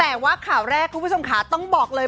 แต่ว่าข่าวแรกคุณผู้ชมค่ะต้องบอกเลย